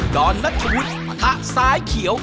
ดอนนักหวุดมะทะสายเขียว